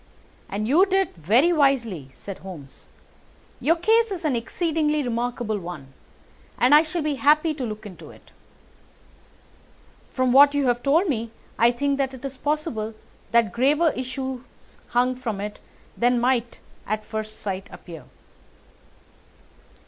"And you did very wisely," said Holmes. "Your case is an exceedingly remarkable one, and I shall be happy to look into it. From what you have told me I think that it is possible that graver issues hang from it than might at first sight appear."